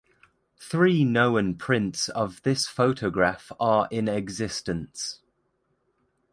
Three known prints of this photograph are in existence.